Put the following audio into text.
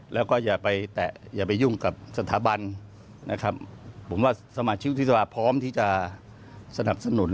แล้วก็อย่าไปยุ่งกับสถาบันผมว่าสมาชิกอุทิศภาพร้อมที่จะสนับสนุน